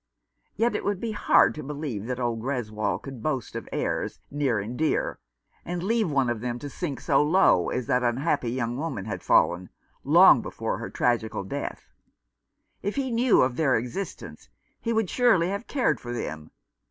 Yet it would be hard to believe that old Greswold could boast of heirs near and dear, and leave one of them to sink so low as that unhappy young woman had fallen, long before her tragical death. If he knew of their existence he would surely have cared for them.